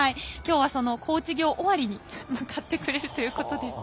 今日はコーチ業終わりに向かってくれるということで。